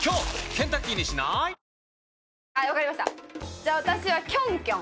じゃあ私はキョンキョン。